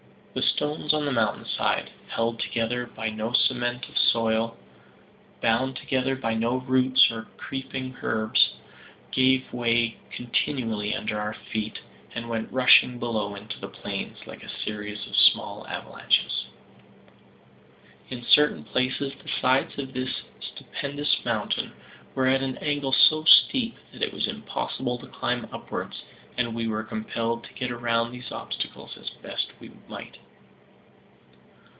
The stones on the mountain side, held together by no cement of soil, bound together by no roots or creeping herbs, gave way continually under our feet, and went rushing below into the plains, like a series of small avalanches. In certain places the sides of this stupendous mountain were at an angle so steep that it was impossible to climb upwards, and we were compelled to get round these obstacles as best we might.